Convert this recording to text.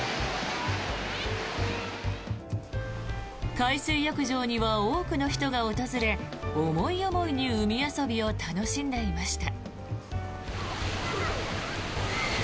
海水浴場には多くの人が訪れ思い思いに海遊びを楽しんでいました。